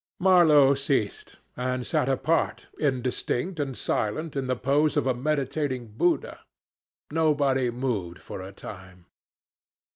..." Marlow ceased, and sat apart, indistinct and silent, in the pose of a meditating Buddha. Nobody moved for a time.